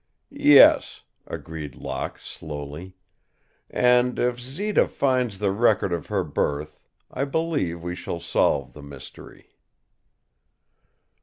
"Yes," agreed Locke, slowly, "and if Zita finds the record of her birth I believe we shall solve the mystery."